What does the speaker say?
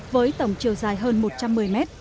với tổng chiều dài hơn một trăm một mươi mét